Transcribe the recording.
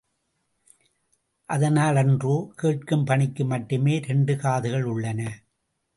அதனாலன்றோ, கேட்கும் பணிக்கு மட்டுமே இரண்டு காதுகள் உள்ளன.